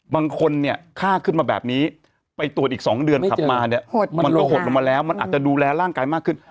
บางคนเนี่ยฆ่าขึ้นมาแบบนี้ไปตรวจอีก๒เดือนขับมาเนี่ยมันก็หดลงมาแล้วมันอาจจะดูแลร่างกายมากขึ้น